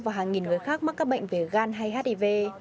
và hàng nghìn người khác mắc các bệnh về gan hay hiv